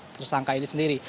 tersangka ini sendiri